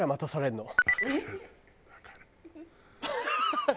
ハハハハ！